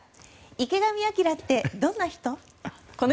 池上彰ってどんな人？